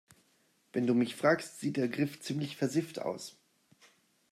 Wenn du mich fragst, sieht der Griff ziemlich versifft aus.